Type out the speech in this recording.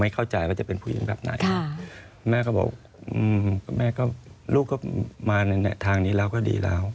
คุณแม่ก็ว่าลูกก็มาทางนี้แล้วก็ดีแล้ว